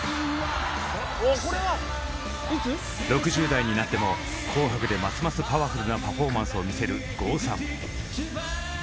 ６０代になっても「紅白」でますますパワフルなパフォーマンスを見せる郷さん。